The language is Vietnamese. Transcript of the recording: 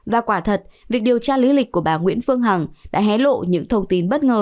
và quả thật việc điều tra lý lịch của bà nguyễn phương hằng đã hé lộ những thông tin bất ngờ